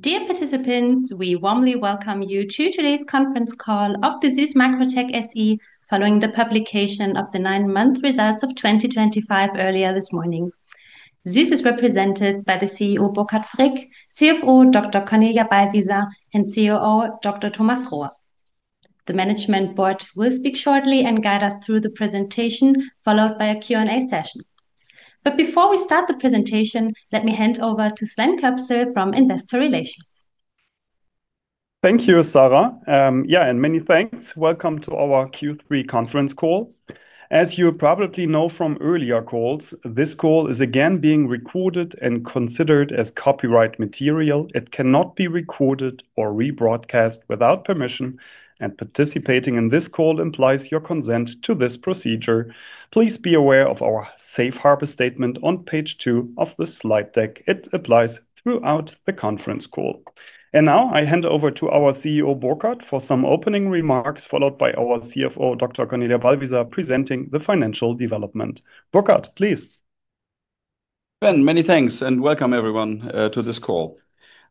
Dear participants, we warmly welcome you to today's conference call of SÜSS MicroTec SE following the publication of the nine-month results of 2025 earlier this morning. SÜSS is represented by the CEO Burkhardt Frick, CFO Dr. Cornelia Ballwießer, and COO Dr. Thomas Rohe. The management board will speak shortly and guide us through the presentation, followed by a Q&A session. Before we start the presentation, let me hand over to Sven Köpsel from Investor Relations. Thank you, Sarah. Yeah, and many thanks. Welcome to our Q3 Conference Call. As you probably know from earlier calls, this call is again being recorded and considered as copyright material. It cannot be recorded or rebroadcast without permission, and participating in this call implies your consent to this procedure. Please be aware of our safe harbor statement on page two of the slide deck. It applies throughout the conference call. Now I hand over to our CEO Burkhardt for some opening remarks, followed by our CFO Dr. Cornelia Ballwießer presenting the financial development. Burkhardt, please. Sven, many thanks and welcome everyone to this call.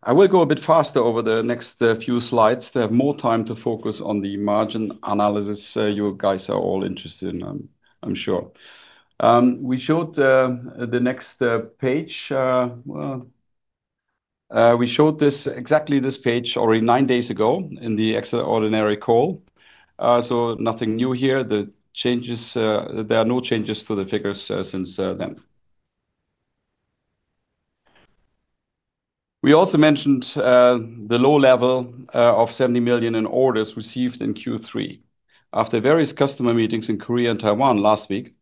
I will go a bit faster over the next few slides to have more time to focus on the margin analysis you guys are all interested in, I'm sure. We showed the next page. We showed exactly this page already nine days ago in the extraordinary call. Nothing new here. The changes, there are no changes to the figures since then. We also mentioned the low level of 70 million in orders received in Q3. After various customer meetings in Korea and Taiwan last week,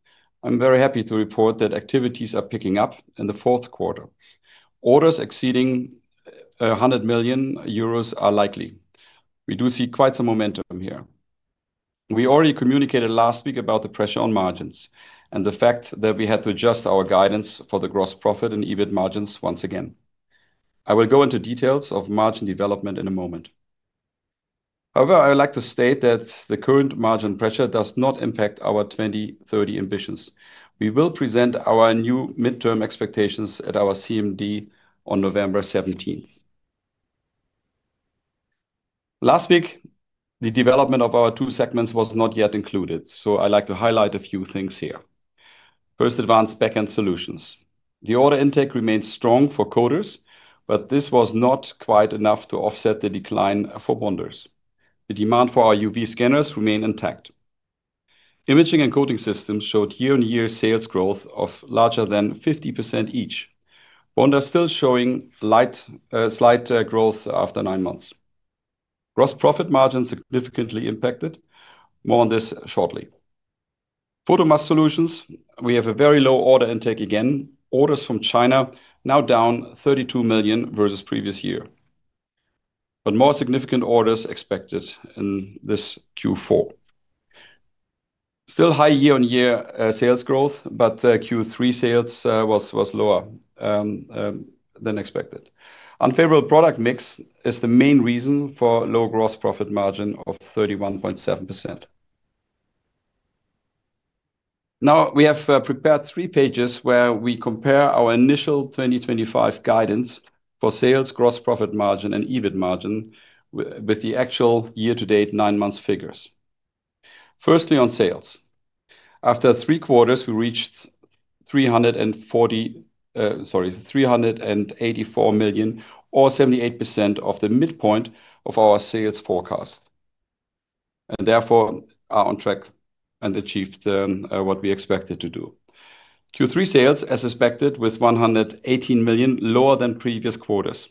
I'm very happy to report that activities are picking up in the fourth quarter. Orders exceeding 100 million euros are likely. We do see quite some momentum here. We already communicated last week about the pressure on margins and the fact that we had to adjust our guidance for the Gross Profit and EBIT Margins once again. I will go into details of margin development in a moment. However, I would like to state that the current margin pressure does not impact our 2030 ambitions. We will present our new midterm expectations at our CMD on November 17th. Last week, the development of our two segments was not yet included, so I'd like to highlight a few things here. First, Advanced Backend Solutions. The order intake remains strong for Coaters, but this was not quite enough to offset the decline for Bonders. The demand for our UV Scanners remained intact. Imaging and Coating Systems showed year-on-year sales growth of larger than 50% each. Bonders still showing slight growth after nine months. Gross Profit Margins significantly impacted. More on this shortly. Photomask Solutions, we have a very low order intake again. Orders from China now down 32 million versus previous year. More significant orders expected in this Q4. Still high year-on-year sales growth, but Q3 sales was lower than expected. Unfavorable product mix is the main reason for low Gross Profit Margin of 31.7%. Now we have prepared three pages where we compare our initial 2025 guidance for sales, Gross Profit Margin, and EBIT Margin with the actual year-to-date nine-month figures. Firstly, on sales. After three quarters, we reached 340 million, sorry, 384 million, or 78% of the midpoint of our sales forecast, and therefore are on track and achieved what we expected to do. Q3 sales, as expected, with 118 million, lower than previous quarters.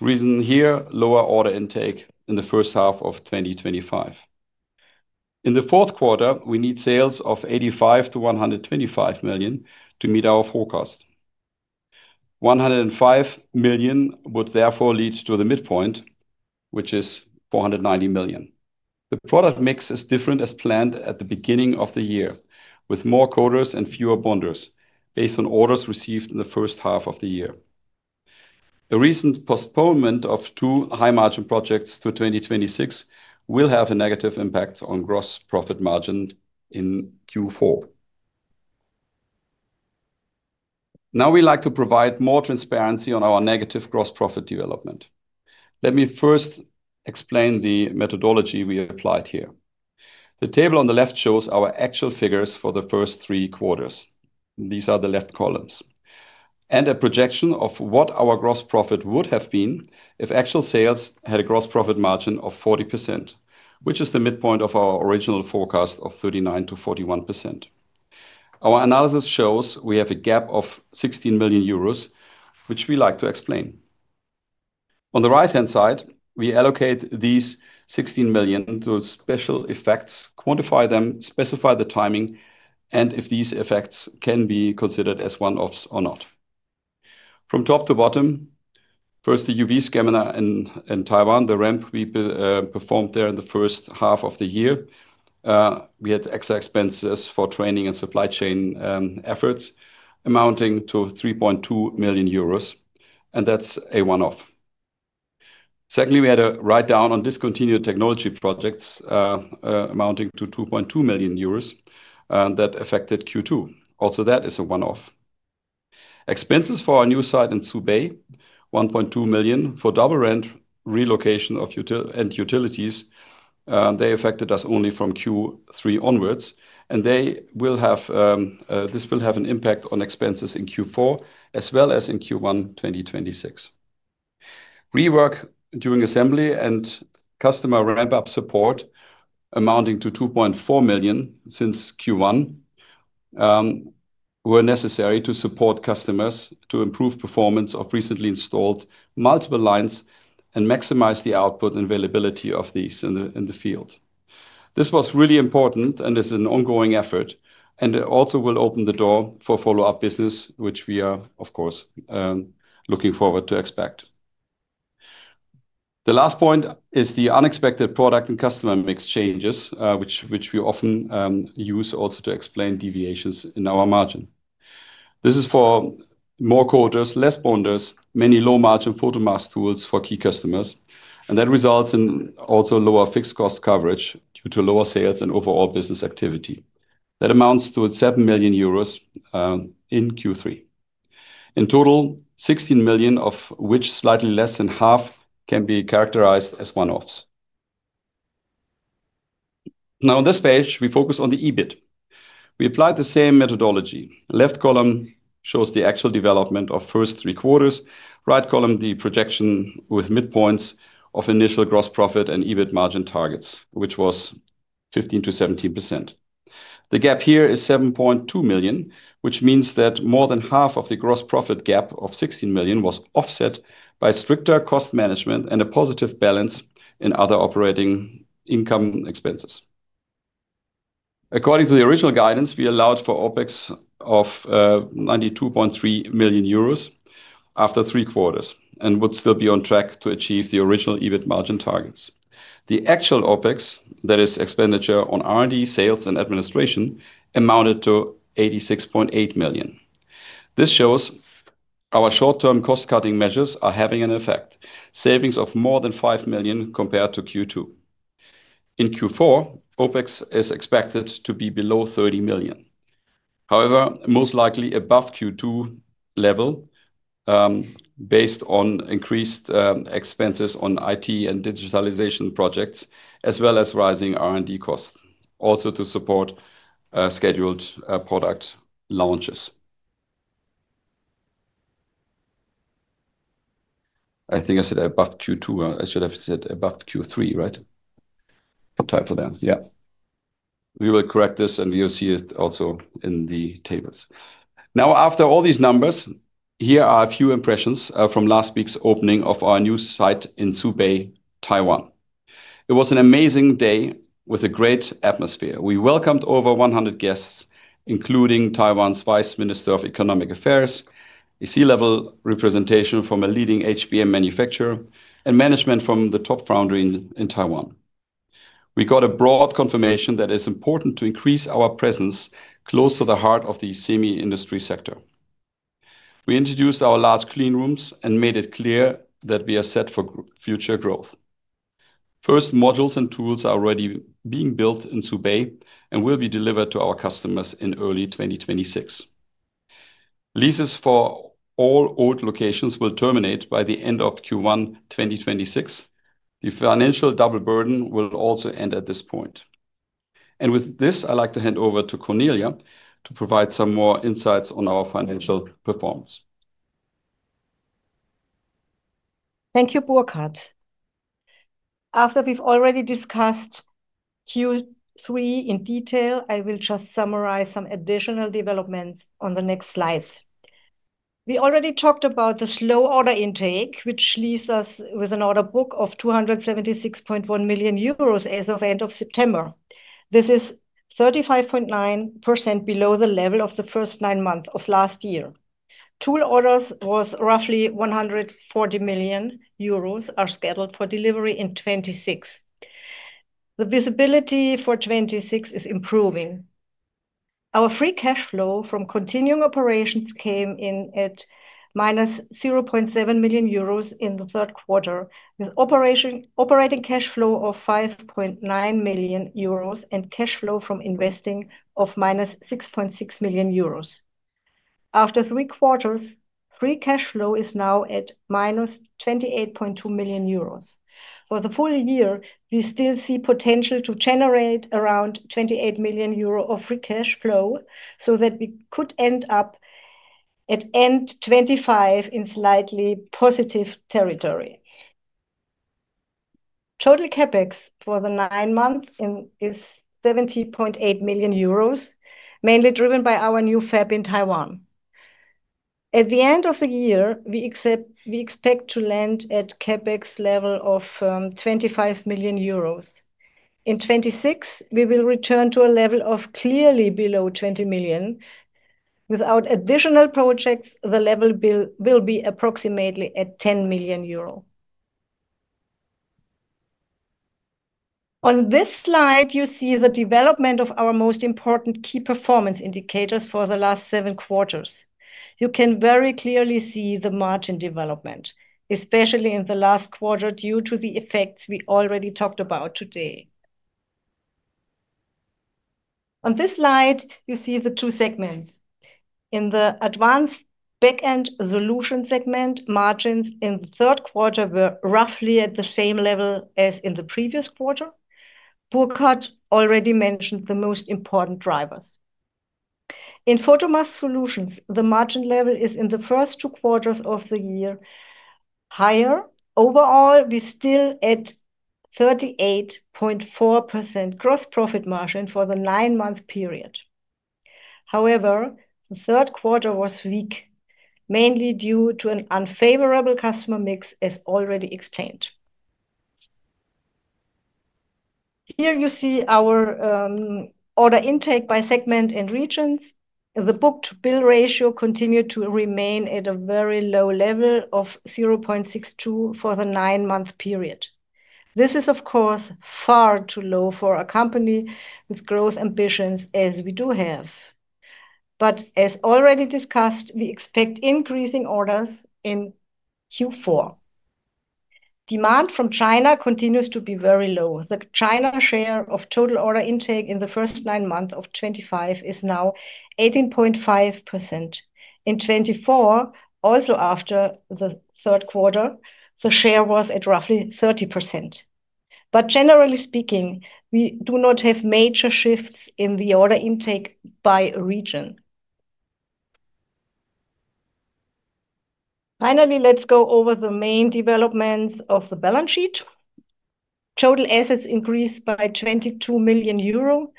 Reason here, lower order intake in the first half of 2025. In the fourth quarter, we need sales of 85 million-125 million to meet our forecast. 105 million would therefore lead to the midpoint, which is 490 million. The product mix is different as planned at the beginning of the year, with more Coaters and fewer Bonders based on orders received in the first half of the year. The recent postponement of two high-margin projects to 2026 will have a negative impact on Gross Profit Margin in Q4. Now we'd like to provide more transparency on our negative Gross Profit development. Let me first explain the methodology we applied here. The table on the left shows our actual figures for the first three quarters. These are the left columns. A projection of what our Gross Profit would have been if actual sales had a Gross Profit Margin of 40%, which is the midpoint of our original forecast of 39%-41%. Our analysis shows we have a gap of 16 million euros, which we like to explain. On the right-hand side, we allocate these 16 million to special effects, quantify them, specify the timing, and if these effects can be considered as one-offs or not. From top to bottom, first the UV Scanner in Taiwan, the ramp we performed there in the first half of the year. We had extra expenses for training and supply chain efforts amounting to 3.2 million euros, and that's a one-off. Secondly, we had a write-down on discontinued technology projects amounting to 2.2 million euros. That affected Q2. Also, that is a one-off. Expenses for our new site in Zhubei, 1.2 million for double-rent relocation and utilities. They affected us only from Q3 onwards, and this will have an impact on expenses in Q4 as well as in Q1 2026. Rework during assembly and customer ramp-up support, amounting to 2.4 million since Q1, were necessary to support customers to improve performance of recently installed multiple lines and maximize the output and availability of these in the field. This was really important and is an ongoing effort and also will open the door for follow-up business, which we are, of course, looking forward to expect. The last point is the unexpected product and customer mix changes, which we often use also to explain deviations in our margin. This is for. More Coaters, less Bonders, many low-margin Photomask Tools for key customers, and that results in also lower fixed cost coverage due to lower sales and overall business activity. That amounts to 7 million euros in Q3. In total, 16 million, of which slightly less than half can be characterized as one-offs. Now, on this page, we focus on the EBIT. We applied the same methodology. The left column shows the actual development of first three quarters. Right column, the projection with midpoints of initial Gross Profit and EBIT Margin targets, which was 15%-17%. The gap here is 7.2 million, which means that more than half of the Gross Profit gap of 16 million was offset by stricter cost management and a positive balance in other operating income expenses. According to the original guidance, we allowed for OpEx of 92.3 million euros. After three quarters and would still be on track to achieve the original EBIT Margin targets. The actual OpEx, that is expenditure on R&D, sales, and administration, amounted to 86.8 million. This shows our short-term cost-cutting measures are having an effect. Savings of more than 5 million compared to Q2. In Q4, OpEx is expected to be below 30 million. However, most likely above Q2 level. Based on increased expenses on IT and digitalization projects, as well as rising R&D costs, also to support. Scheduled product launches. I think I said above Q2. I should have said above Q3, right? Title there. Yeah. We will correct this and we will see it also in the tables. Now, after all these numbers, here are a few impressions from last week's opening of our new site in Zhubei, Taiwan. It was an amazing day with a great atmosphere. We welcomed over 100 guests, including Taiwan's Vice Minister of Economic Affairs, a C-level representation from a leading HBM manufacturer, and management from the top foundry in Taiwan. We got a broad confirmation that it is important to increase our presence close to the heart of the semi-industry sector. We introduced our large clean rooms and made it clear that we are set for future growth. First modules and tools are already being built in Zhubei and will be delivered to our customers in early 2026. Leases for all old locations will terminate by the end of Q1 2026. The financial double burden will also end at this point. With this, I'd like to hand over to Cornelia to provide some more insights on our financial performance. Thank you, Burkhardt. After we've already discussed Q3 in detail, I will just summarize some additional developments on the next slides. We already talked about the slow order intake, which leaves us with an order book of 276.1 million euros as of end of September. This is 35.9% below the level of the first nine months of last year. Tool orders worth roughly 140 million euros are scheduled for delivery in 2026. The visibility for 2026 is improving. Our Free Cash Flow from continuing operations came in at -0.7 million euros in the third quarter, with operating Cash Flow of 5.9 million euros and Cash Flow from investing of -6.6 million euros. After three quarters, Free Cash Flow is now at -28.2 million euros. For the full year, we still see potential to generate around 28 million euro of Free Cash Flow so that we could end up at end 2025 in slightly positive territory. Total CapEx for the nine months is 70.8 million euros, mainly driven by our new fab in Taiwan. At the end of the year, we expect to land at CapEx level of 25 million euros. In 2026, we will return to a level of clearly below 20 million. Without additional projects, the level will be approximately at 10 million euro. On this slide, you see the development of our most important Key Performance Indicators for the last seven quarters. You can very clearly see the margin development, especially in the last quarter due to the effects we already talked about today. On this slide, you see the two segments. In the Advanced Backend Solution segment, margins in the third quarter were roughly at the same level as in the previous quarter. Burkhardt already mentioned the most important drivers. In Photomask Solutions, the margin level is in the first two quarters of the year. Higher. Overall, we're still at 38.4% Gross Profit Margin for the nine-month period. However, the third quarter was weak, mainly due to an unfavorable customer mix, as already explained. Here you see our order intake by segment and regions. The book-to-bill ratio continued to remain at a very low level of 0.62 for the nine-month period. This is, of course, far too low for a company with growth ambitions as we do have. As already discussed, we expect increasing orders in Q4. Demand from China continues to be very low. The China share of total order intake in the first nine months of 2025 is now 18.5%. In 2024, also after the third quarter, the share was at roughly 30%. Generally speaking, we do not have major shifts in the order intake by region. Finally, let's go over the main developments of the balance sheet. Total assets increased by 22 million euro.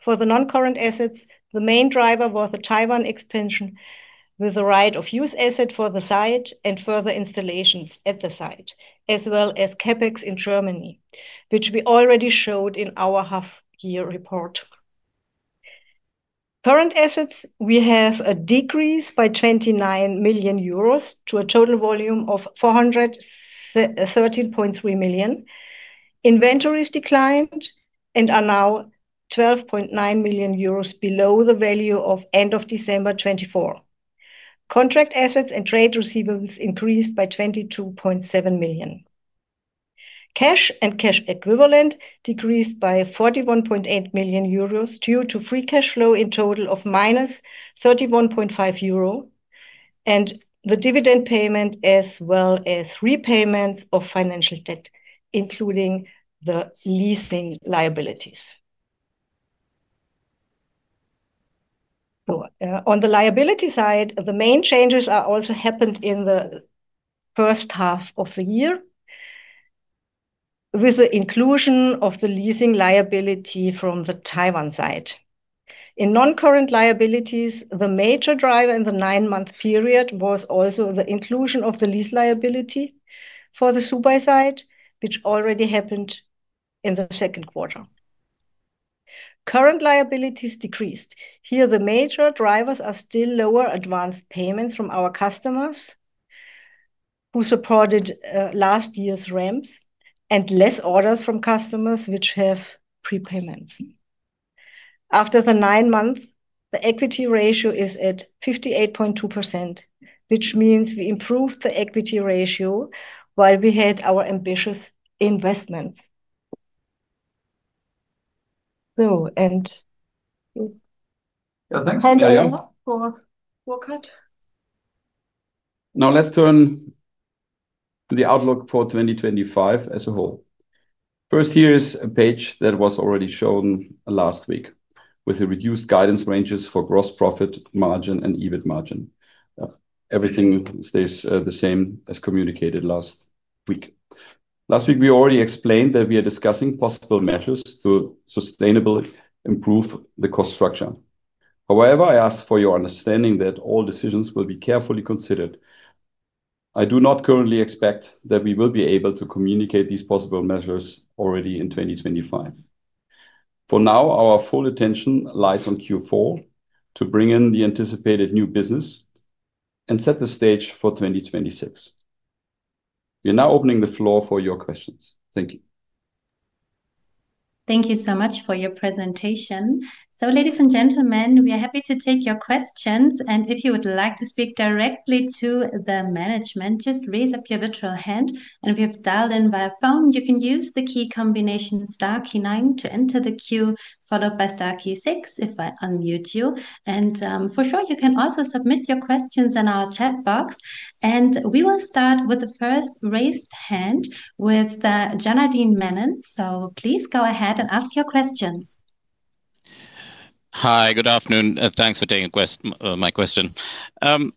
For the non-current assets, the main driver was the Taiwan expansion with the right-of-use asset for the site and further installations at the site, as well as CapEx in Germany, which we already showed in our half-year report. Current assets, we have a decrease by 29 million euros to a total volume of 413.3 million. Inventories declined and are now 12.9 million euros below the value of end of December 2024. Contract assets and trade receivables increased by 22.7 million. Cash and cash equivalent decreased by 41.8 million euros due to Free Cash Flow in total of -31.5 million euro and the dividend payment, as well as repayments of financial debt, including the leasing liabilities. On the liability side, the main changes also happened in the first half of the year with the inclusion of the leasing liability from the Taiwan site. In non-current liabilities, the major driver in the nine-month period was also the inclusion of the lease liability for the Zhubei site, which already happened in the second quarter. Current liabilities decreased. Here, the major drivers are still lower advance payments from our customers, who supported last year's ramps, and less orders from customers which have prepayments. After the nine months, the equity ratio is at 58.2%, which means we improved the equity ratio while we had our ambitious investments. Thanks, Cornelia. Now, let's turn. The outlook for 2025 as a whole. First, here is a page that was already shown last week with the reduced guidance ranges for Gross Profit Margin and EBIT Margin. Everything stays the same as communicated last week. Last week, we already explained that we are discussing possible measures to sustainably improve the cost structure. However, I ask for your understanding that all decisions will be carefully considered. I do not currently expect that we will be able to communicate these possible measures already in 2025. For now, our full attention lies on Q4 to bring in the anticipated new business and set the stage for 2026. We are now opening the floor for your questions. Thank you. Thank you so much for your presentation. Ladies and gentlemen, we are happy to take your questions. If you would like to speak directly to the management, just raise up your virtual hand. If you have dialed in via phone, you can use the key combination star key nine to enter the queue, followed by star key six if I unmute you. You can also submit your questions in our chat box. We will start with the first raised hand with Janardan Menon. Please go ahead and ask your questions. Hi, good afternoon. Thanks for taking my question. I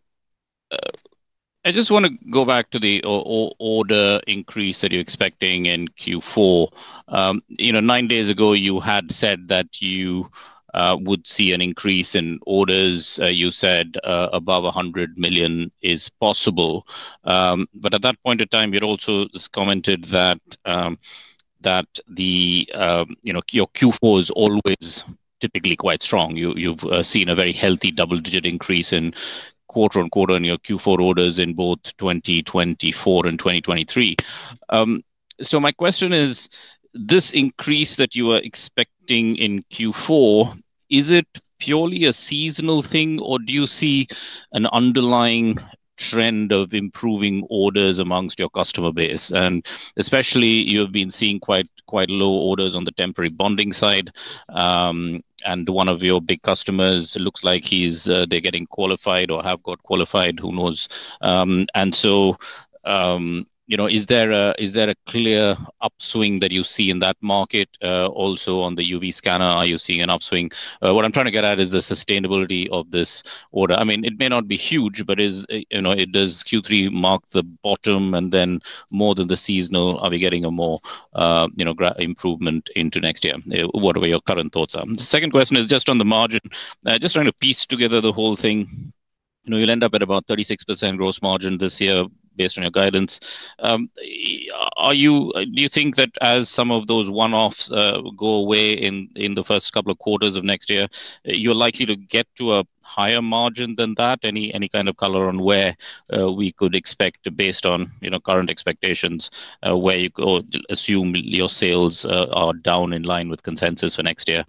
just want to go back to the order increase that you're expecting in Q4. Nine days ago, you had said that you would see an increase in orders. You said above 100 million is possible. At that point in time, you'd also commented that your Q4 is always typically quite strong. You've seen a very healthy double-digit increase in quarter-on-quarter in your Q4 orders in both 2024 and 2023. My question is, this increase that you are expecting in Q4, is it purely a seasonal thing, or do you see an underlying trend of improving orders amongst your customer base? Especially, you've been seeing quite low orders on the temporary bonding side. One of your big customers, it looks like they're getting qualified or have got qualified, who knows. Is there a clear upswing that you see in that market? Also, on the UV Scanner, are you seeing an upswing? What I'm trying to get at is the sustainability of this order. I mean, it may not be huge, but does Q3 mark the bottom? More than the seasonal, are we getting a more improvement into next year? Whatever your current thoughts are. The second question is just on the margin. Just trying to piece together the whole thing. You'll end up at about 36% gross margin this year based on your guidance. Do you think that as some of those one-offs go away in the first couple of quarters of next year, you're likely to get to a higher margin than that? Any kind of color on where we could expect, based on current expectations, where you assume your sales are down in line with consensus for next year?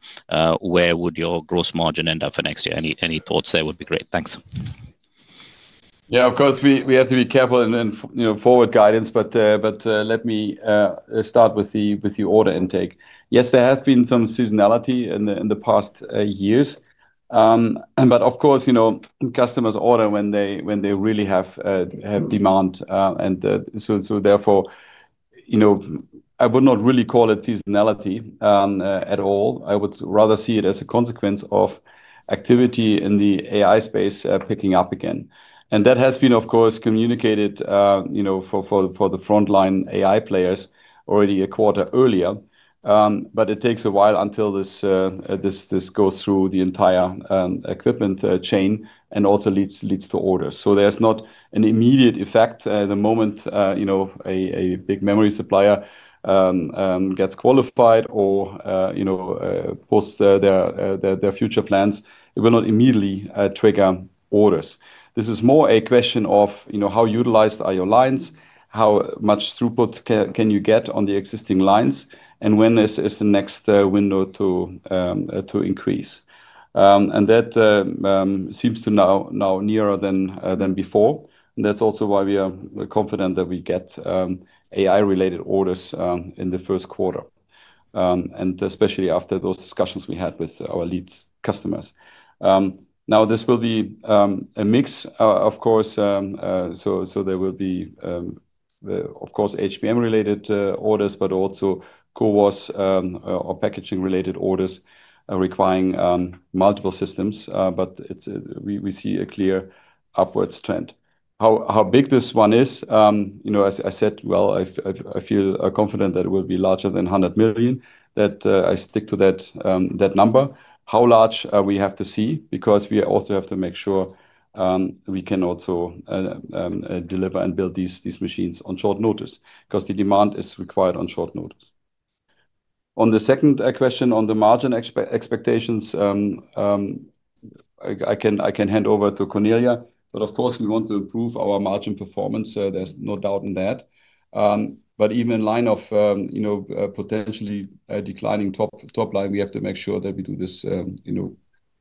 Where would your gross margin end up for next year? Any thoughts there would be great. Thanks. Yeah, of course, we have to be careful in forward guidance. Let me start with the order intake. Yes, there has been some seasonality in the past years. Customers order when they really have demand. Therefore, I would not really call it seasonality at all. I would rather see it as a consequence of activity in the AI space picking up again. That has been, of course, communicated for the frontline AI players already a quarter earlier. It takes a while until this goes through the entire equipment chain and also leads to orders. There is not an immediate effect. The moment a big memory supplier gets qualified or posts their future plans, it will not immediately trigger orders. This is more a question of how utilized are your lines, how much throughput can you get on the existing lines, and when is the next window to increase. That seems to now be nearer than before. That is also why we are confident that we get AI-related orders in the first quarter, especially after those discussions we had with our lead customers. This will be a mix, of course. There will be HBM-related orders, but also CoWoS or packaging-related orders requiring multiple systems. We see a clear upward trend. How big this one is, as I said, I feel confident that it will be larger than 100 million, I stick to that number. How large we have to see because we also have to make sure we can also. Deliver and build these machines on short notice because the demand is required on short notice. On the second question on the margin expectations. I can hand over to Cornelia. Of course, we want to improve our margin performance. There's no doubt in that. Even in line of potentially declining top line, we have to make sure that we do this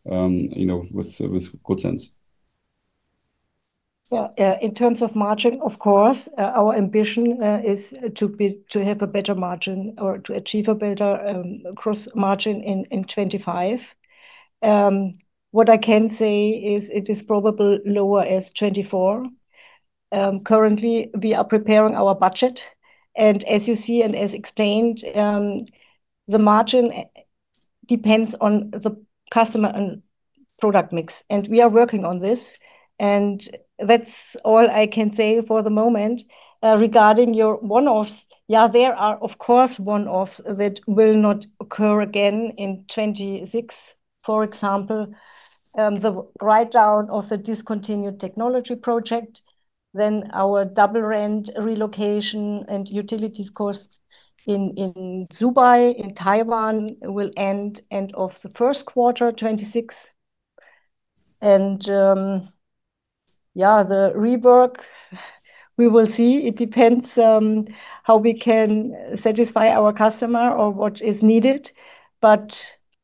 with good sense. Yeah, in terms of margin, of course, our ambition is to have a better margin or to achieve a better gross margin in 2025. What I can say is it is probably lower as 2024. Currently, we are preparing our budget. As you see and as explained, the margin depends on the customer and product mix. We are working on this. That is all I can say for the moment regarding your one-offs. Yeah, there are, of course, one-offs that will not occur again in 2026, for example, the write-down of the discontinued technology project, then our double-rent relocation and utilities costs in Zhubei and Taiwan will end at the end of the first quarter, 2026. Yeah, the rework, we will see. It depends how we can satisfy our customer or what is needed. That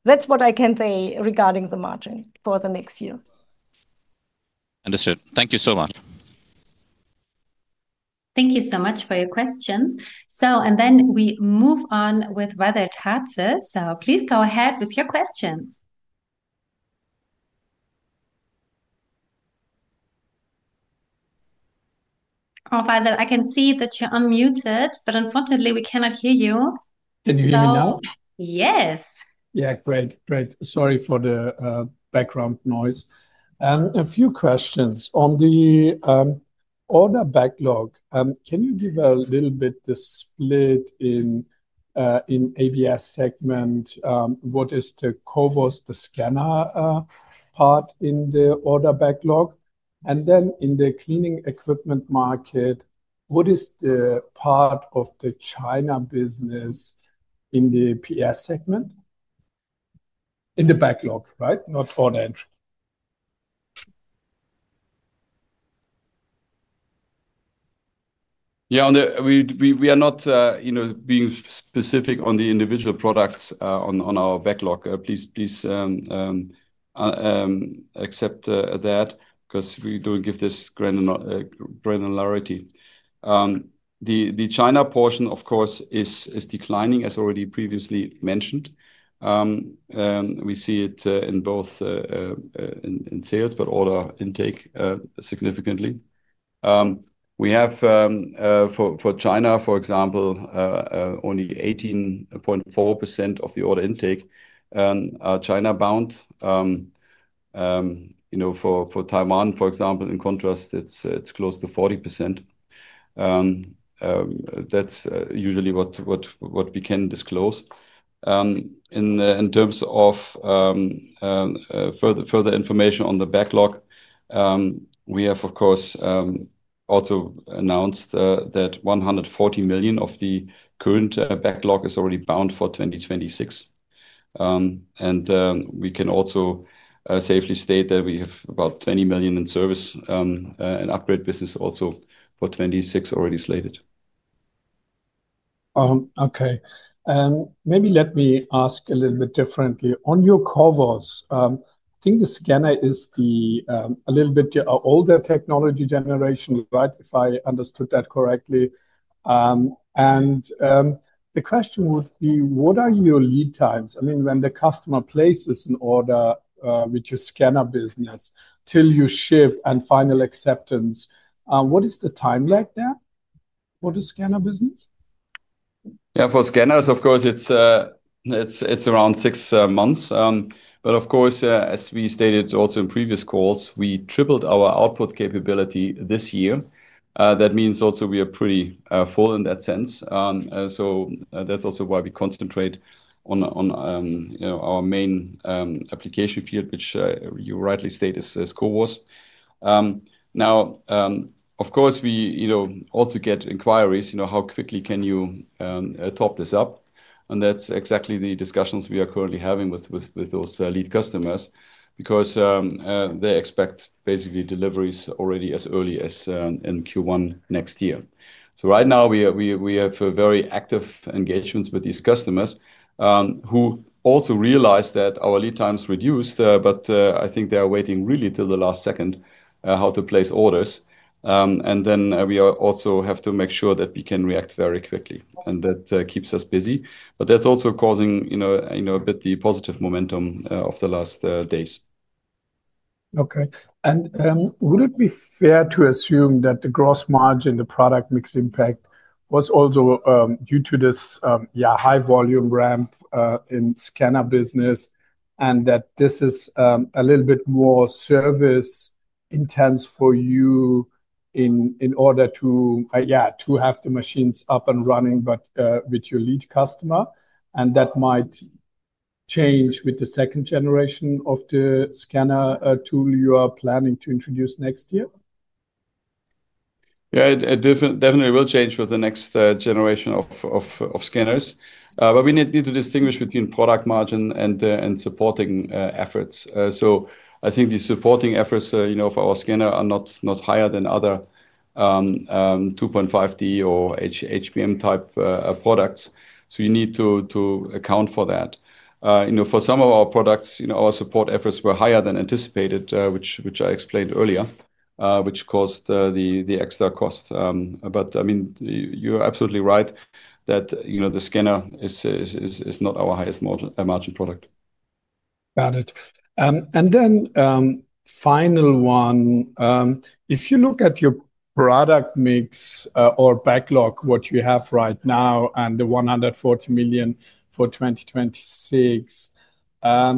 is what I can say regarding the margin for the next year. Understood. Thank you so much. Thank you so much for your questions. And then we move on with Ragozza. Please go ahead with your questions. Ragozza, I can see that you're unmuted, but unfortunately, we cannot hear you. Can you hear me now? Yes. Yeah, great. Great. Sorry for the background noise. A few questions. On the order backlog, can you give a little bit the split in ABS segment? What is the CoWoS, the scanner part in the order backlog? And then in the cleaning equipment market, what is the part of the China business in the PS segment? In the backlog, right? Not for the entry. Yeah, we are not being specific on the individual products on our backlog. Please accept that because we do not give this granularity. The China portion, of course, is declining, as already previously mentioned. We see it in both sales, but order intake significantly. We have, for China, for example, only 18.4% of the order intake are China-bound. For Taiwan, for example, in contrast, it is close to 40%. That is usually what we can disclose. In terms of further information on the backlog, we have, of course, also announced that 140 million of the current backlog is already bound for 2026. We can also safely state that we have about 20 million in service and upgrade business also for 2026 already slated. Okay. Maybe let me ask a little bit differently. On your CoWoS, I think the scanner is a little bit older technology generation, right? If I understood that correctly. The question would be, what are your lead times? I mean, when the customer places an order with your scanner business till you ship and final acceptance, what is the time lag there for the scanner business? Yeah, for scanners, of course, it's around six months. Of course, as we stated also in previous calls, we tripled our output capability this year. That means also we are pretty full in that sense. That is also why we concentrate on our main application field, which you rightly state is CoWoS. Now, of course, we also get inquiries, how quickly can you top this up? That is exactly the discussions we are currently having with those lead customers because they expect basically deliveries already as early as in Q1 next year. Right now, we have very active engagements with these customers who also realize that our lead time is reduced, but I think they are waiting really till the last second how to place orders. We also have to make sure that we can react very quickly. That keeps us busy. That's also causing a bit the positive momentum of the last days. Okay. Would it be fair to assume that the gross margin, the product mix impact was also due to this high-volume ramp in scanner business and that this is a little bit more service intense for you in order to have the machines up and running with your lead customer? That might change with the second generation of the scanner tool you are planning to introduce next year? Yeah, it definitely will change with the next generation of scanners. You need to distinguish between product margin and supporting efforts. I think the supporting efforts of our scanner are not higher than other 2.5D or HBM-type products. You need to account for that. For some of our products, our support efforts were higher than anticipated, which I explained earlier, which caused the extra cost. I mean, you're absolutely right that the scanner is not our highest margin product. Got it. And then, final one. If you look at your product mix or backlog, what you have right now and the 140 million for 2026, do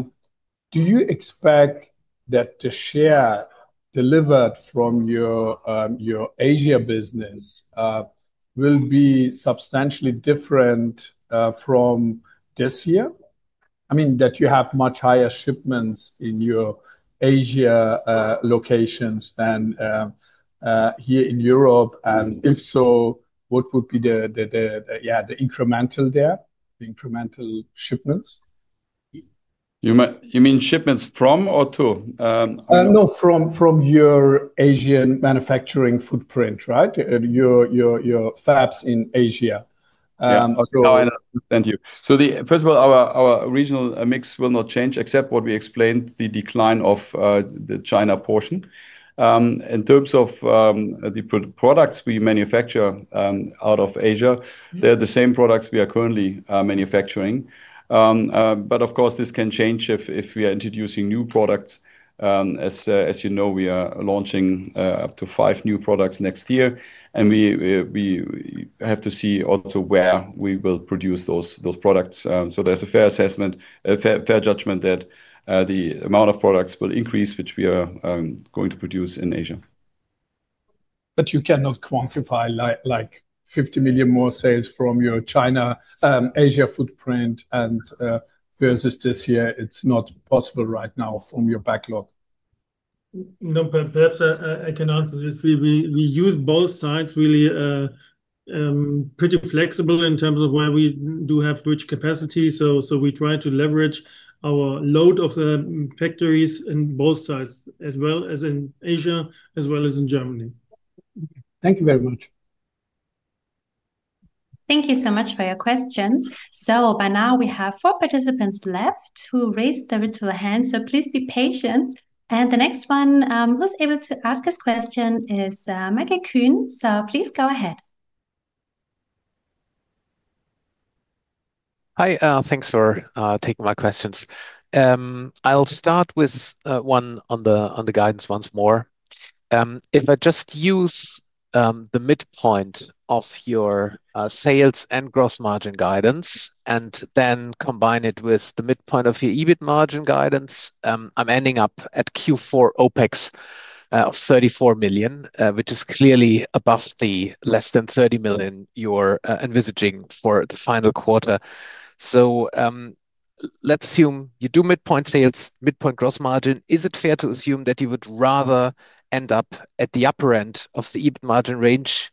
you expect that the share delivered from your Asia business will be substantially different from this year? I mean, that you have much higher shipments in your Asia locations than here in Europe. And if so, what would be the incremental there, the incremental shipments? You mean shipments from or to? No, from your Asian manufacturing footprint, right? Your fabs in Asia. Thank you. First of all, our regional mix will not change except what we explained, the decline of the China portion. In terms of the products we manufacture out of Asia, they are the same products we are currently manufacturing. Of course, this can change if we are introducing new products. As you know, we are launching up to five new products next year. We have to see also where we will produce those products. There is a fair assessment, a fair judgment that the amount of products will increase, which we are going to produce in Asia. You cannot quantify like 50 million more sales from your China-Asia footprint versus this year. It's not possible right now from your backlog. No, but I can answer this. We use both sides really. Pretty flexible in terms of where we do have rich capacity. We try to leverage our load of the factories in both sides, as well as in Asia, as well as in Germany. Thank you very much. Thank you so much for your questions. By now, we have four participants left who raised their hands. Please be patient. The next one who's able to ask his question is Michael Kuhn. Please go ahead. Hi. Thanks for taking my questions. I'll start with one on the guidance once more. If I just use the midpoint of your sales and gross margin guidance and then combine it with the midpoint of your EBIT Margin guidance, I'm ending up at Q4 OpEx of 34 million, which is clearly above the less than 30 million you're envisaging for the final quarter. Let's assume you do midpoint sales, midpoint gross margin. Is it fair to assume that you would rather end up at the upper end of the EBIT Margin range,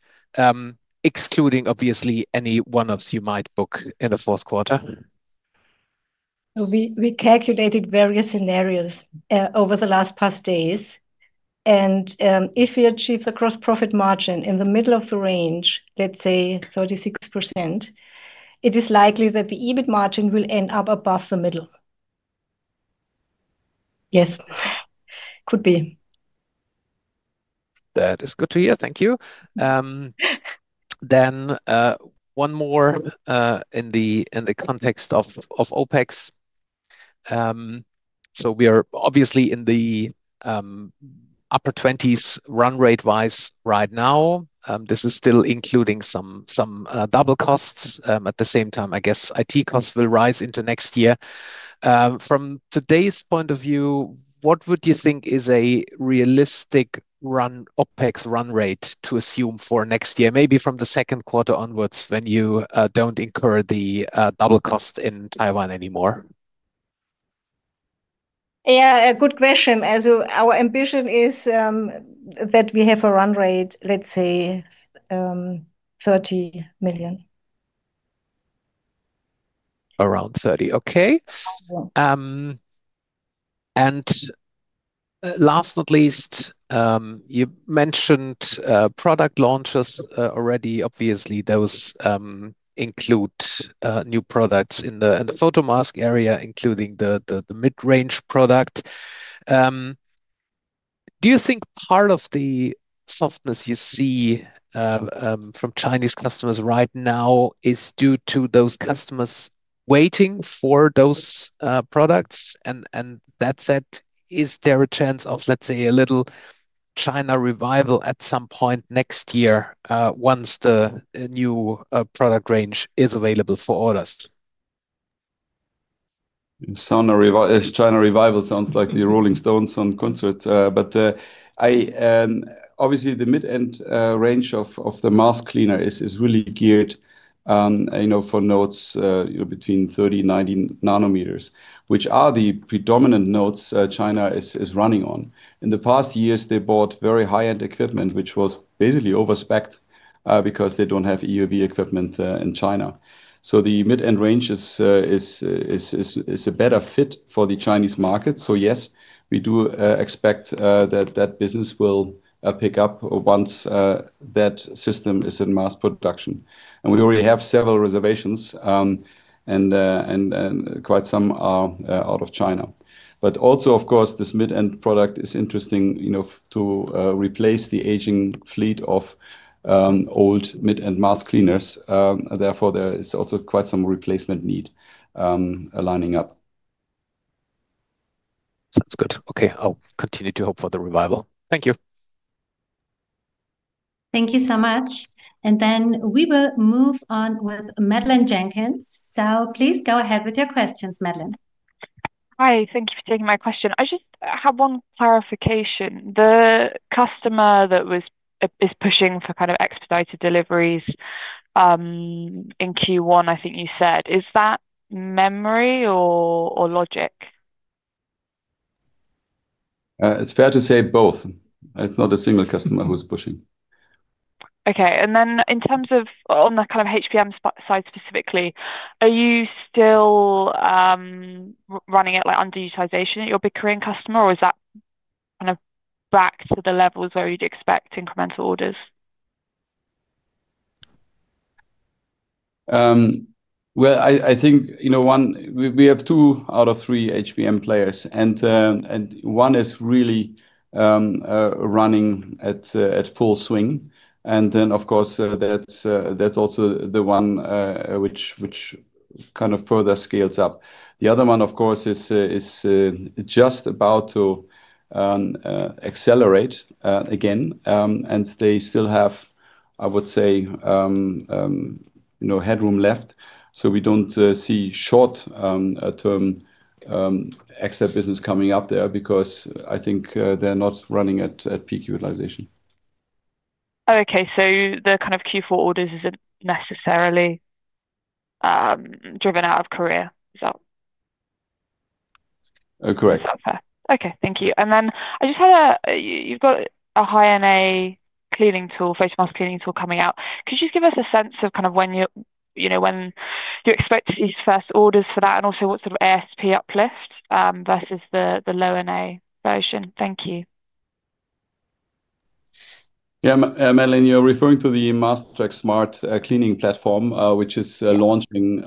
excluding obviously any one-offs you might book in the fourth quarter? We calculated various scenarios over the last past days. If we achieve the Gross Profit Margin in the middle of the range, let's say 36%, it is likely that the EBIT Margin will end up above the middle. Yes. Could be. That is good to hear. Thank you. Then one more. In the context of OpEx. We are obviously in the upper 20s run rate-wise right now. This is still including some double costs. At the same time, I guess IT costs will rise into next year. From today's point of view, what would you think is a realistic OpEx run rate to assume for next year, maybe from the second quarter onwards when you do not incur the double cost in Taiwan anymore? Yeah, a good question. Our ambition is. That we have a run rate, let's say, 30 million. Around 30. Okay. Last but not least. You mentioned product launches already. Obviously, those include new products in the photomask area, including the mid-range product. Do you think part of the softness you see from Chinese customers right now is due to those customers waiting for those products? That said, is there a chance of, let's say, a little China revival at some point next year once the new product range is available for orders? China revival sounds like the Rolling Stones on concert. Obviously, the mid-end range of the mask cleaner is really geared for nodes between 30 and 90 nanometers, which are the predominant nodes China is running on. In the past years, they bought very high-end equipment, which was basically overspecced because they do not have EUV equipment in China. The mid-end range is a better fit for the Chinese market. Yes, we do expect that that business will pick up once that system is in mass production. We already have several reservations, and quite some are out of China. Of course, this mid-end product is interesting to replace the aging fleet of old mid-end mask cleaners. Therefore, there is also quite some replacement need aligning up. Sounds good. Okay. I'll continue to hope for the revival. Thank you. Thank you so much. And then we will move on with Madeleine Jenkins. So please go ahead with your questions, Madeleine. Hi. Thank you for taking my question. I just have one clarification. The customer that is pushing for kind of expedited deliveries in Q1, I think you said. Is that memory or logic? It's fair to say both. It's not a single customer who's pushing. Okay. And then in terms of on the kind of HBM side specifically, are you still running it under utilization at your Bickering customer, or is that kind of back to the levels where you'd expect incremental orders? I think we have two out of three HBM players. One is really running at full swing. Of course, that is also the one which kind of further scales up. The other one is just about to accelerate again, and they still have, I would say, headroom left. We do not see short-term exit business coming up there because I think they are not running at peak utilization. Okay. So the kind of Q4 orders isn't necessarily driven out of Korea. Is that? Correct. Is that fair? Okay. Thank you. I just had a—you've got a high-NA cleaning tool, face mask cleaning tool coming out. Could you just give us a sense of kind of when you expect to see first orders for that and also what sort of ASP uplift versus the low-NA version? Thank you. Yeah. Melanie, you're referring to the Masterflex Smart Cleaning Platform, which is launching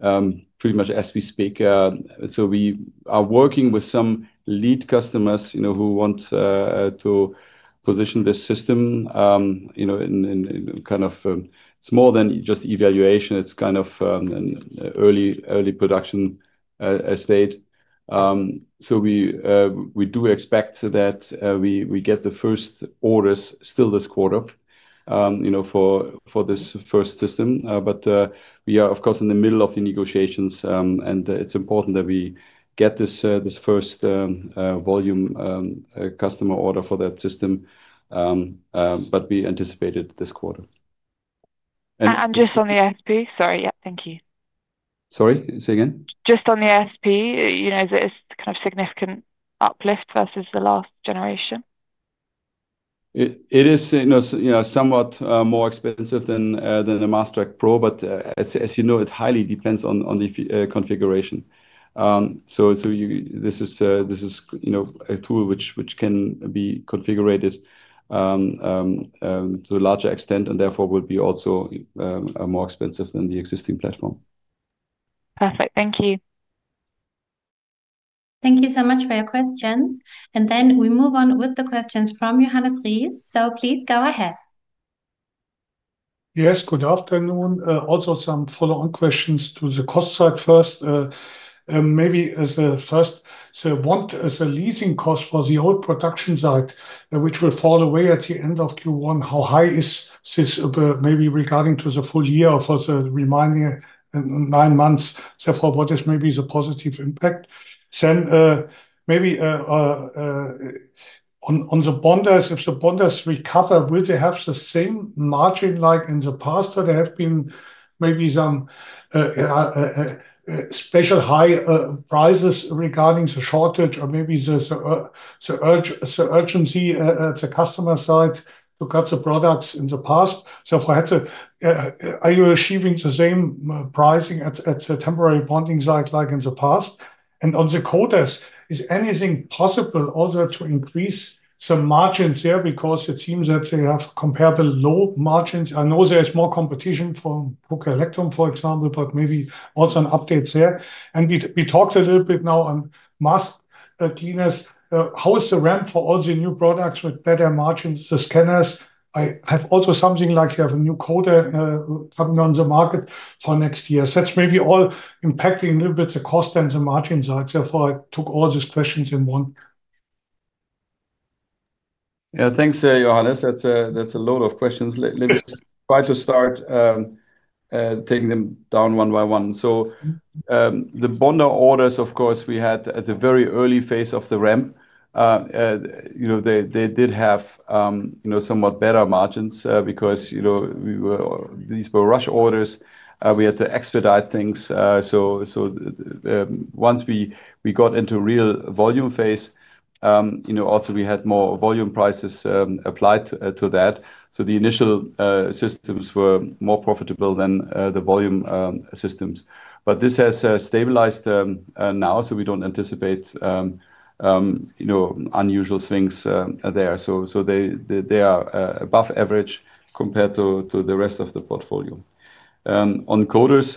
pretty much as we speak. We are working with some lead customers who want to position this system in kind of—it's more than just evaluation. It's kind of an early production state. We do expect that we get the first orders still this quarter for this first system. We are, of course, in the middle of the negotiations. It's important that we get this first volume customer order for that system. We anticipate it this quarter. Just on the ASP, sorry. Yeah. Thank you. Sorry? Say again? Just on the ASP, is it kind of a significant uplift versus the last generation? It is somewhat more expensive than the Masterflex Pro. As you know, it highly depends on the configuration. This is a tool which can be configured to a larger extent and therefore will be also more expensive than the existing platform. Perfect. Thank you. Thank you so much for your questions. We move on with the questions from Johannes Rees. Please go ahead. Yes. Good afternoon. Also some follow-on questions to the cost side first. Maybe as the first. The leasing cost for the old production site, which will fall away at the end of Q1, how high is this maybe regarding to the full year for the remaining nine months? Therefore, what is maybe the positive impact? Maybe on the Bonders, if the Bonders recover, will they have the same margin like in the past? There have been maybe some special high prices regarding the shortage or maybe the urgency at the customer side to cut the products in the past. If I had to, are you achieving the same pricing at the temporary bonding site like in the past? On the Coaters, is anything possible also to increase some margins there because it seems that they have comparable low margins? I know there is more competition for Tokyo Electron, for example, but maybe also an update there. We talked a little bit now on mask cleaners. How is the ramp for all the new products with better margins? The scanners, I have also something like you have a new quota coming on the market for next year. It is maybe all impacting a little bit the cost and the margin side. Therefore, I took all these questions in one. Yeah. Thanks, Johannes. That's a load of questions. Let me try to start. Taking them down one by one. The bond orders, of course, we had at the very early phase of the ramp. They did have somewhat better margins because these were rush orders. We had to expedite things. Once we got into real volume phase, also we had more volume prices applied to that. The initial systems were more profitable than the volume systems. This has stabilized now. We do not anticipate unusual swings there. They are above average compared to the rest of the portfolio. On Coaters,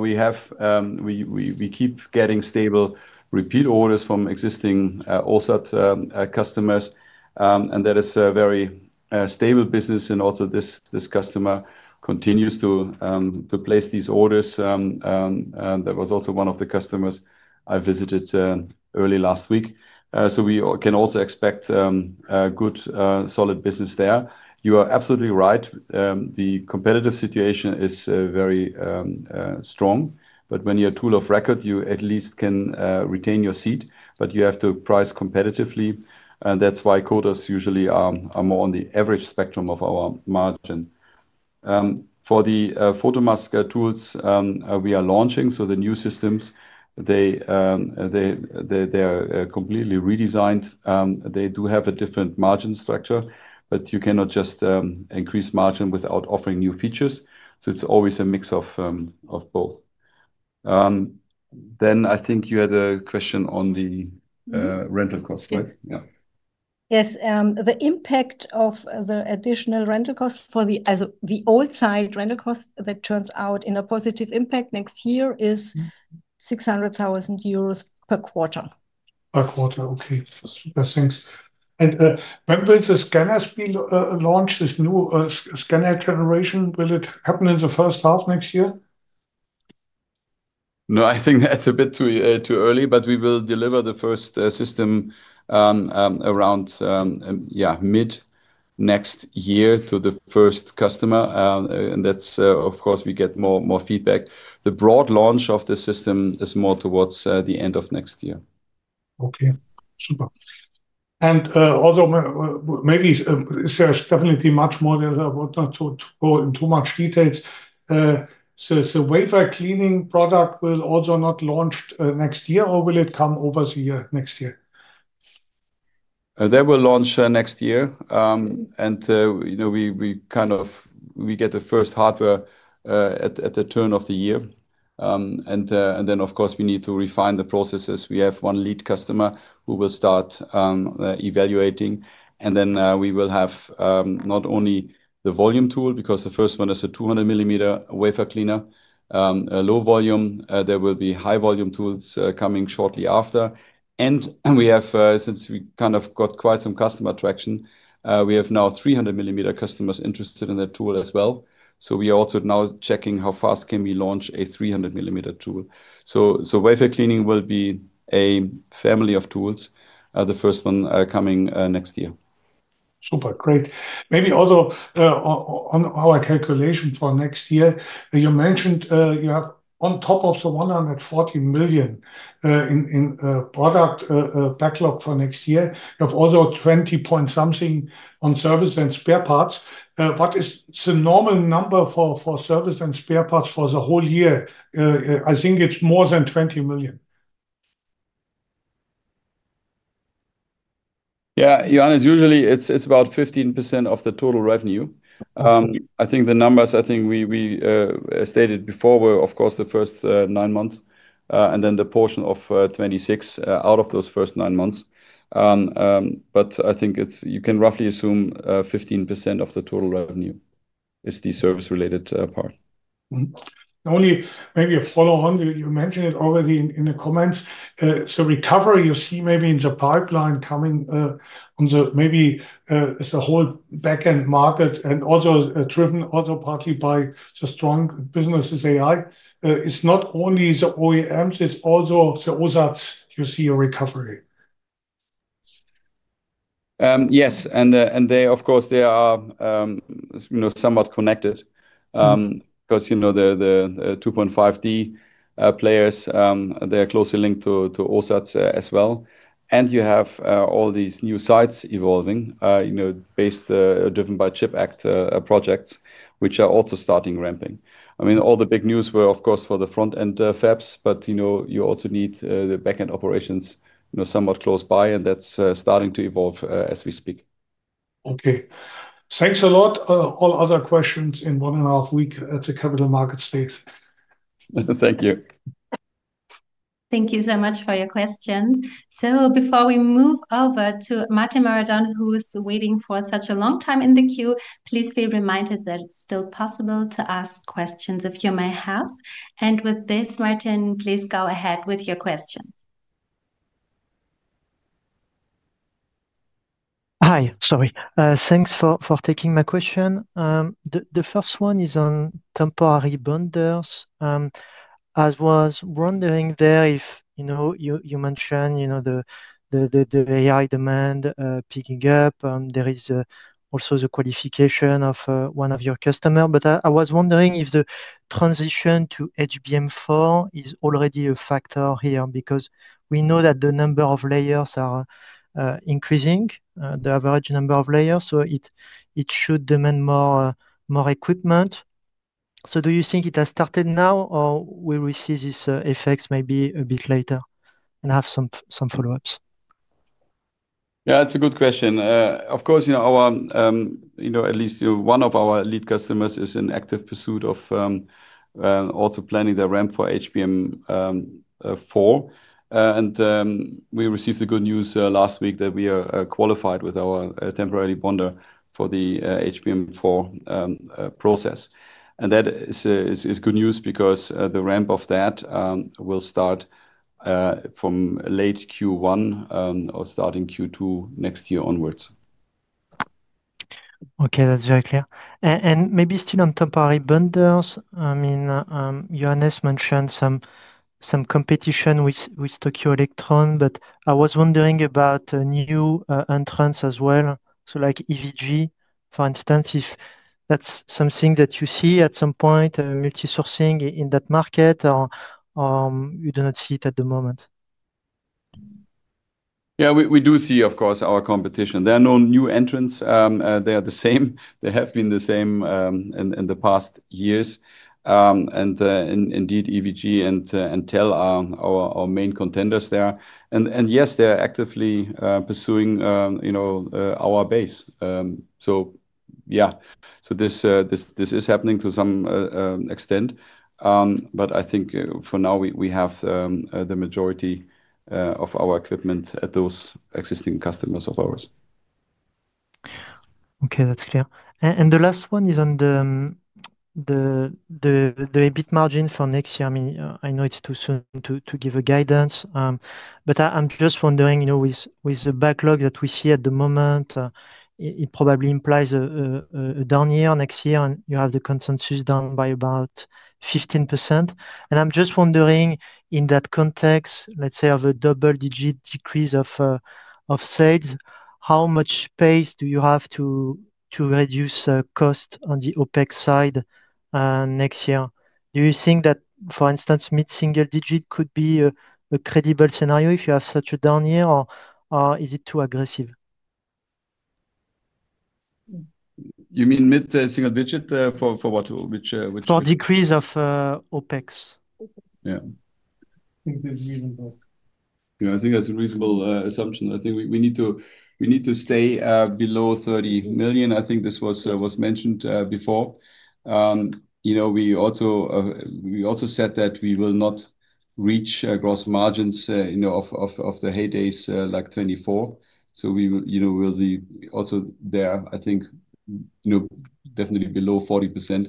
we keep getting stable repeat orders from existing OSAT customers. That is a very stable business. Also, this customer continues to place these orders. That was also one of the customers I visited early last week. We can also expect. Good solid business there. You are absolutely right. The competitive situation is very strong. When you're a tool of record, you at least can retain your seat. You have to price competitively. That's why Coaters usually are more on the average spectrum of our margin. For the Photomask Tools we are launching, the new systems, they are completely redesigned. They do have a different margin structure. You cannot just increase margin without offering new features. It's always a mix of both. I think you had a question on the rental cost, right? Yeah. Yes. The impact of the additional rental cost for the old site rental cost that turns out in a positive impact next year is 600,000 euros per quarter. Per quarter. Okay. Thanks. When will the scanners be launched, this new scanner generation? Will it happen in the first half next year? No, I think that's a bit too early. We will deliver the first system around mid next year to the first customer. Of course, we get more feedback. The broad launch of the system is more towards the end of next year. Okay. Super. Also, maybe, there's definitely much more that I would not go into too much details. The wafer cleaning product will also not launch next year, or will it come over the year next year? They will launch next year. We kind of get the first hardware at the turn of the year. Of course, we need to refine the processes. We have one lead customer who will start evaluating. We will have not only the volume tool because the first one is a 200-millimeter wafer cleaner, low volume. There will be high volume tools coming shortly after. Since we kind of got quite some customer traction, we have now 300-millimeter customers interested in that tool as well. We are also now checking how fast we can launch a 300-millimeter tool. Wafer cleaning will be a family of tools, the first one coming next year. Super. Great. Maybe also. On our calculation for next year, you mentioned you have on top of the 140 million in product backlog for next year, you have also 20 point something on service and spare parts. What is the normal number for service and spare parts for the whole year? I think it's more than 20 million. Yeah. Johannes, usually it's about 15% of the total revenue. I think the numbers I think we stated before were, of course, the first nine months. And then the portion of 26 out of those first nine months. But I think you can roughly assume 15% of the total revenue is the service-related part. Only maybe a follow-on. You mentioned it already in the comments. Recovery you see maybe in the pipeline coming. Maybe it's the whole backend market and also driven also partly by the strong business in AI. It's not only the OEMs, it's also the OSATs you see a recovery. Yes. They, of course, are somewhat connected because the 2.5D players are closely linked to OSATs as well. You have all these new sites evolving, based driven by CHIPS Act projects, which are also starting ramping. I mean, all the big news were, of course, for the front-end fabs, but you also need the backend operations somewhat close by. That is starting to evolve as we speak. Okay. Thanks a lot. All other questions in one and a half weeks at the capital markets day. Thank you. Thank you so much for your questions. Before we move over to Martin Maradone, who's waiting for such a long time in the queue, please be reminded that it's still possible to ask questions if you may have. With this, Martin, please go ahead with your questions. Hi. Sorry. Thanks for taking my question. The first one is on temporary Bonders. I was wondering there if you mentioned the AI demand picking up. There is also the qualification of one of your customers. I was wondering if the transition to HBM4 is already a factor here because we know that the number of layers are increasing, the average number of layers. It should demand more equipment. Do you think it has started now, or will we see these effects maybe a bit later and have some follow-ups? Yeah, that's a good question. Of course, at least one of our lead customers is in active pursuit of, also planning their ramp for HBM4. And we received the good news last week that we are qualified with our temporary bonder for the HBM4 process. That is good news because the ramp of that will start from late Q1 or starting Q2 next year onwards. Okay. That's very clear. Maybe still on temporary Bonders. I mean, Johannes mentioned some competition with Tokyo Electron, but I was wondering about new entrants as well. Like EVG, for instance, if that's something that you see at some point, multi-sourcing in that market, or you do not see it at the moment? Yeah, we do see, of course, our competition. There are no new entrants. They are the same. They have been the same in the past years. Indeed, EVG and Tokyo Electron are our main contenders there. Yes, they are actively pursuing our base. This is happening to some extent. I think for now, we have the majority of our equipment at those existing customers of ours. Okay. That's clear. The last one is on the EBIT Margin for next year. I mean, I know it's too soon to give a guidance. I'm just wondering, with the backlog that we see at the moment, it probably implies a down year next year, and you have the consensus down by about 15%. I'm just wondering, in that context, let's say of a double-digit decrease of sales, how much space do you have to reduce cost on the OpEx side next year? Do you think that, for instance, mid-single digit could be a credible scenario if you have such a down year, or is it too aggressive? You mean mid-single digit for what? For decrease of OpEx. Yeah. I think that's reasonable. Yeah, I think that's a reasonable assumption. I think we need to stay below 30 million. I think this was mentioned before. We also said that we will not reach gross margins of the heydays like 2024. We will be also there, I think, definitely below 40%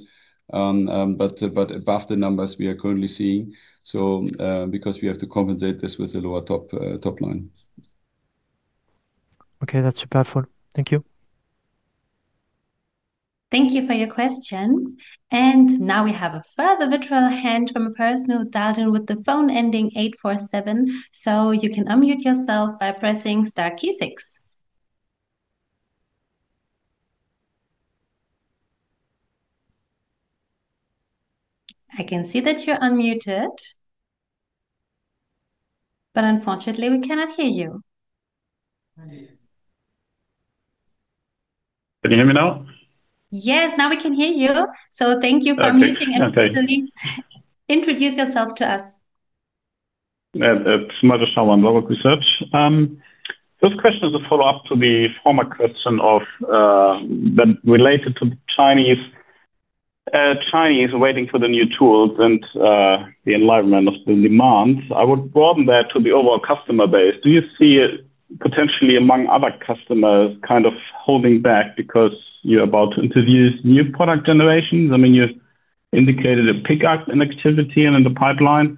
but above the numbers we are currently seeing, because we have to compensate this with a lower top line. Okay. That's super helpful. Thank you. Thank you for your questions. Now we have a further virtual hand from a person who's dialed in with the phone ending 847. You can unmute yourself by pressing the star key six. I can see that you're unmuted. Unfortunately, we cannot hear you. Can you hear me now? Yes. Now we can hear you. Thank you for unmuting. Okay. Please introduce yourself to us. It's Mojosha Wanlowa, research. This question is a follow-up to the former question of, related to Chinese, waiting for the new tools and the environment of the demands. I would broaden that to the overall customer base. Do you see potentially, among other customers, kind of holding back because you're about to introduce new product generations? I mean, you indicated a pickup in activity and in the pipeline.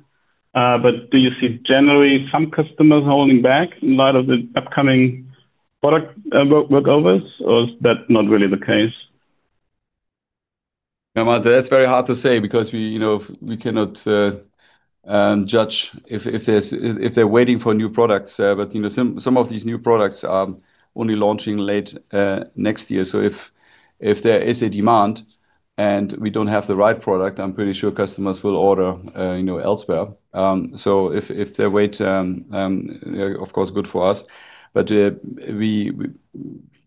But do you see generally some customers holding back in light of the upcoming product workovers, or is that not really the case? That's very hard to say because we cannot judge if they're waiting for new products. But some of these new products are only launching late next year. So if there is a demand and we don't have the right product, I'm pretty sure customers will order elsewhere. If they wait, of course, good for us. But.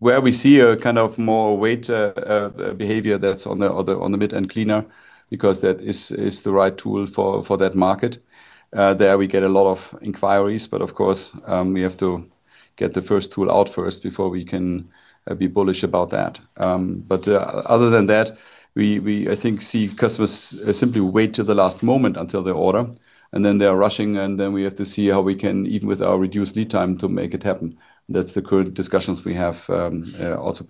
Where we see a kind of more wait behavior, that's on the mid-end cleaner because that is the right tool for that market. There we get a lot of inquiries. Of course, we have to get the first tool out first before we can be bullish about that. Other than that, I think customers simply wait to the last moment until they order. Then they're rushing. We have to see how we can, even with our reduced lead time, make it happen. That's the current discussions we have also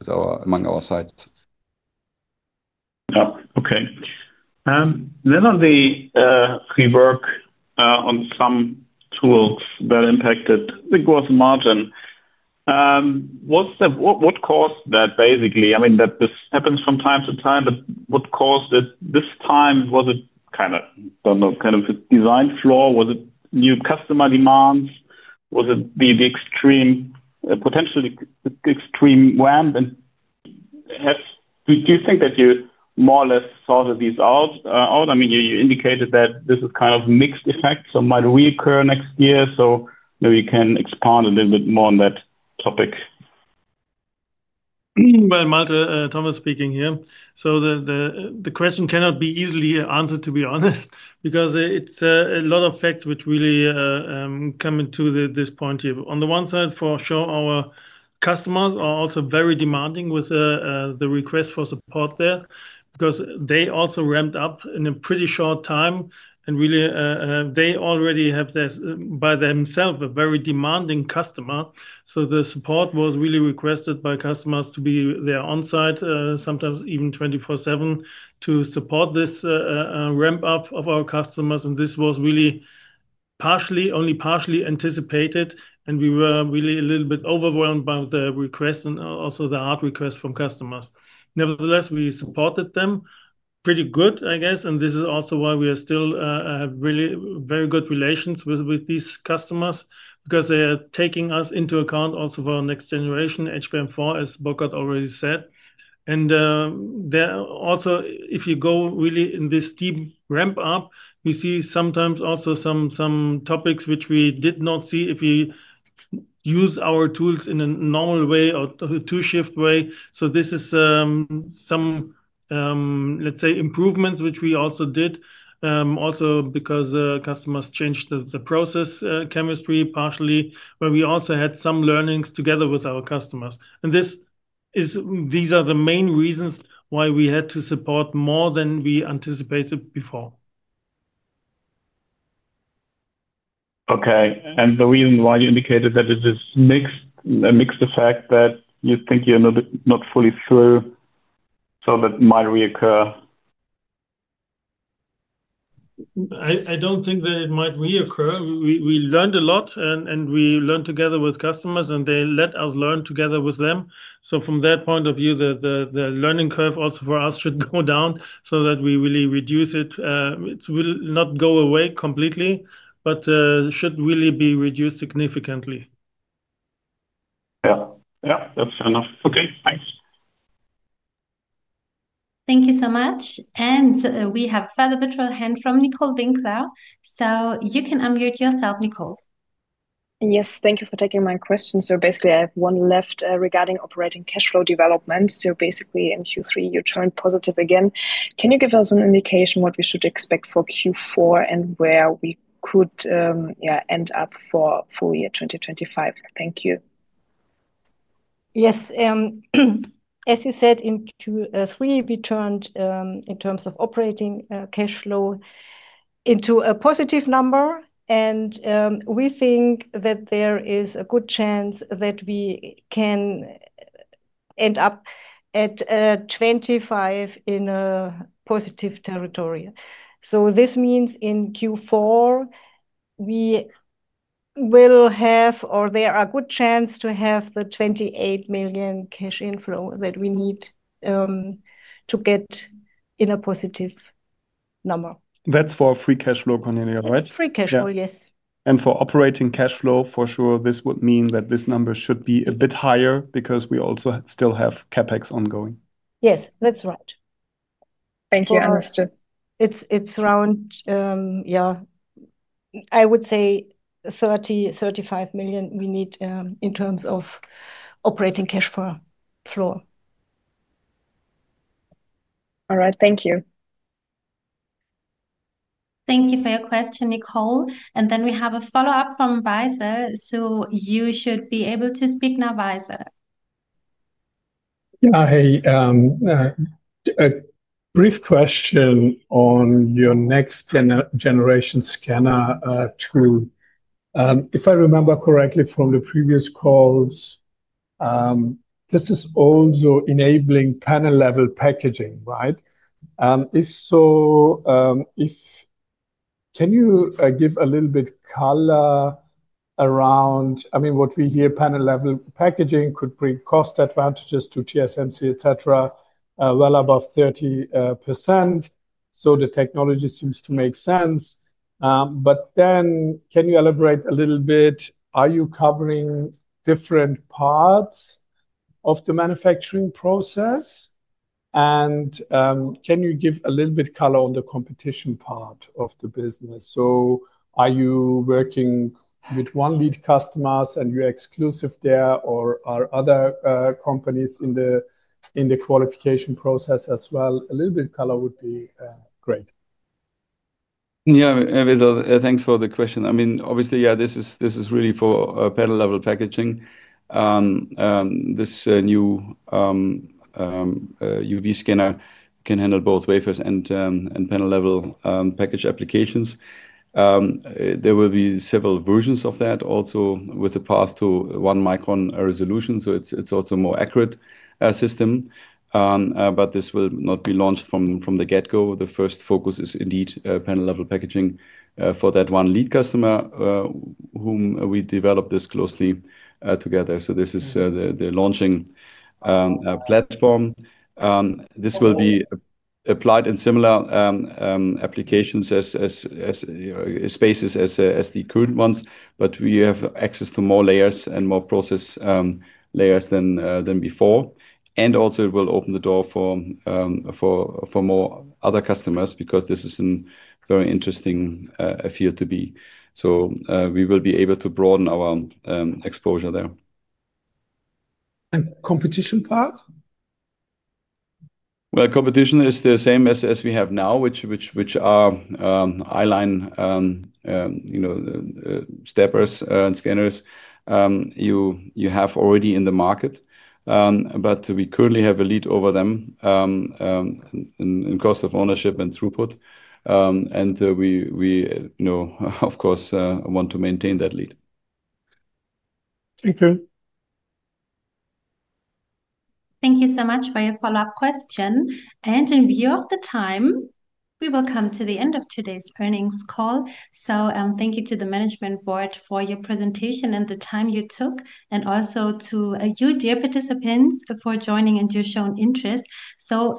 among our sites. Yeah. Okay. On the rework on some tools that impacted the gross margin, what caused that, basically? I mean, this happens from time to time. What caused it this time? Was it kind of a design flaw? Was it new customer demands? Was it the potentially extreme ramp? Do you think that you more or less sorted these out? I mean, you indicated that this is kind of a mixed effect, so it might reoccur next year. Maybe you can expand a little bit more on that topic. Malte, Thomas speaking here. The question cannot be easily answered, to be honest, because it is a lot of facts which really come into this point here. On the one side, for sure, our customers are also very demanding with the request for support there because they also ramped up in a pretty short time. They already have by themselves a very demanding customer. The support was really requested by customers to be there on site, sometimes even 24/7, to support this ramp-up of our customers. This was really only partially anticipated. We were really a little bit overwhelmed by the request and also the hard request from customers. Nevertheless, we supported them pretty good, I guess. This is also why we still have really very good relations with these customers because they are taking us into account also for our next generation, HBM4, as Burkhardt already said. Also, if you go really in this deep ramp-up, we see sometimes also some topics which we did not see if we use our tools in a normal way or two-shift way. This is some, let's say, improvements which we also did. Also because customers changed the process chemistry partially, but we also had some learnings together with our customers. These are the main reasons why we had to support more than we anticipated before. Okay. The reason why you indicated that it is mixed is a fact that you think you're not fully sure. That might reoccur? I don't think that it might reoccur. We learned a lot, and we learned together with customers, and they let us learn together with them. From that point of view, the learning curve also for us should go down so that we really reduce it. It will not go away completely, but should really be reduced significantly. Yeah. Yeah. That's fair enough. Okay. Thanks. Thank you so much. We have a further virtual hand from Nicole Winkler. You can unmute yourself, Nicole. Yes. Thank you for taking my question. So basically, I have one left regarding operating Cash Flow development. So basically, in Q3, you turned positive again. Can you give us an indication of what we should expect for Q4 and where we could end up for full year 2025? Thank you. Yes. As you said, in Q3, we turned in terms of operating Cash Flow into a positive number. And we think that there is a good chance that we can end up at 2025 in a positive territory. This means in Q4, we will have, or there is a good chance to have the 28 million cash inflow that we need to get in a positive number. That's for Free Cash Flow continuity, right? Free Cash Flow, yes. For operating Cash Flow, for sure, this would mean that this number should be a bit higher because we also still have CapEx ongoing. Yes, that's right. Thank you. Understood. It's around. Yeah. I would say. 30 million-35 million we need in terms of. Operating Cash Flow. All right. Thank you. Thank you for your question, Nicole. We have a follow-up from Vizor. You should be able to speak now, Vizor. Yeah. Hey. A brief question on your next-generation scanner tool. If I remember correctly from the previous calls, this is also enabling panel-level packaging, right? If you can give a little bit color around, I mean, what we hear, panel-level packaging could bring cost advantages to TSMC, etc., well above 30%. The technology seems to make sense. Can you elaborate a little bit? Are you covering different parts of the manufacturing process? Can you give a little bit color on the competition part of the business? Are you working with one lead customer and you're exclusive there, or are other companies in the qualification process as well? A little bit color would be great. Yeah. Thanks for the question. I mean, obviously, yeah, this is really for panel-level packaging. This new UV Scanner can handle both wafers and panel-level package applications. There will be several versions of that, also with a path to one micron resolution. It is also a more accurate system. This will not be launched from the get-go. The first focus is indeed panel-level packaging for that one lead customer, whom we developed this closely together with. This is the launching platform. This will be applied in similar application spaces as the current ones. We have access to more layers and more process layers than before. It will open the door for more other customers because this is a very interesting field to be in. We will be able to broaden our exposure there. Competition part? Competition is the same as we have now, which are I-line steppers and scanners. You have already in the market. We currently have a lead over them in cost of ownership and throughput. We, of course, want to maintain that lead. Thank you. Thank you so much for your follow-up question. In view of the time, we will come to the end of today's earnings call. Thank you to the management board for your presentation and the time you took, and also to you, dear participants, for joining and your shown interest.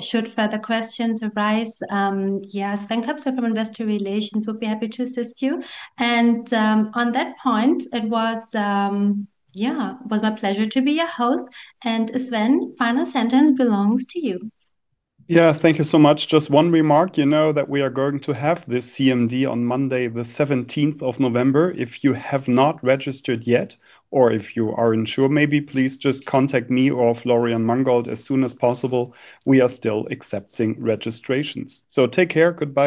Should further questions arise, yes, Sven Köpsel from Investor Relations will be happy to assist you. On that point, it was my pleasure to be your host. Sven, final sentence belongs to you. Yeah. Thank you so much. Just one remark. You know that we are going to have this CMD on Monday, the 17th of November. If you have not registered yet, or if you are unsure, maybe please just contact me or Florian Mangold as soon as possible. We are still accepting registrations. Take care. Goodbye.